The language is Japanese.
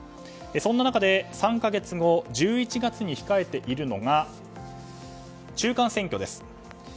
そんな中で、３か月後の１１月に控えているのが中間選挙です。